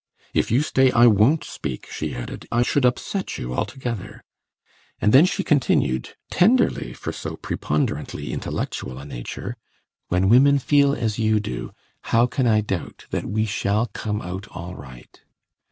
"If you stay, I won't speak," she added; "I should upset you altogether." And then she continued, tenderly, for so preponderantly intellectual a nature: "When women feel as you do, how can I doubt that we shall come out all right?"